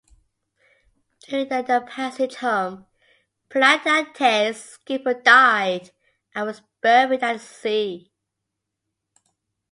During the passage home, "Philante's" skipper died and was buried at sea.